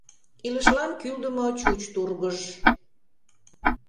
илышлан кӱлдымӧ чуч тургыж.